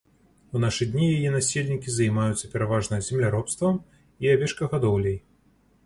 У нашы дні яе насельнікі займаюцца пераважна земляробствам і авечкагадоўляй.